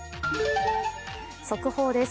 速報です。